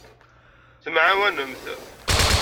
Temɛawanemt.